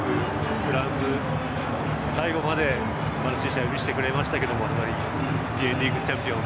フランス、最後までいい試合を見せてくれましたけどディフェンディングチャンピオン